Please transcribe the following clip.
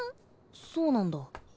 そうなんだ。